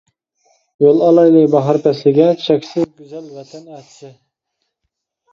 يول ئالايلى باھار پەسلىگە، چەكسىز گۈزەل ۋەتەن ئەتىسى.